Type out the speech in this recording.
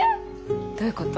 どういうこと？